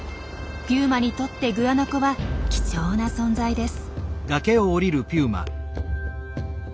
ピューマにとってグアナコは貴重な存在です。